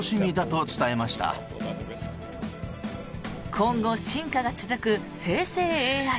今後、進化が続く生成ＡＩ。